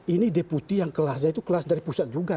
ini deputi yang kelasnya itu kelas dari pusat juga